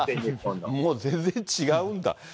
もう全然違うんだ。